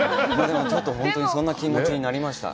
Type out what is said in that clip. ちょっと本当にそんな気持ちになりました。